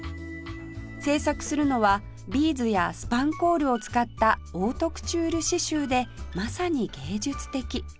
制作するのはビーズやスパンコールを使ったオートクチュール刺繍でまさに芸術的